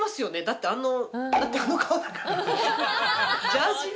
だってあの。